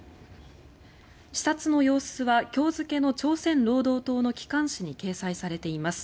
視察の様子は今日付の朝鮮労働党の機関紙に掲載されています。